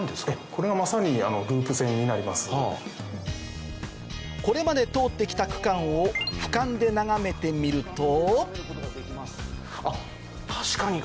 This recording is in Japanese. これがまさにこれまで通って来た区間を俯瞰で眺めてみるとあっ確かに。